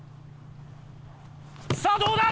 さあどうだ？